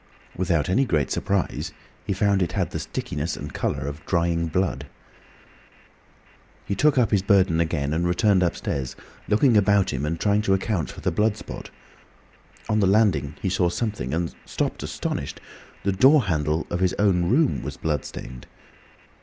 Without any great surprise he found it had the stickiness and colour of drying blood. He took up his burden again, and returned upstairs, looking about him and trying to account for the blood spot. On the landing he saw something and stopped astonished. The door handle of his own room was blood stained.